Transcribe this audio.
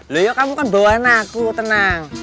leyo kamu kan doan aku tenang